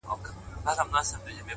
چي چيري اوسې، په مذهب به د هغو سې.